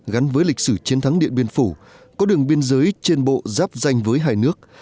gắn với lịch sử chiến thắng điện biên phủ có đường biên giới trên bộ giáp danh với hai nước